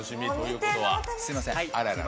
すいません。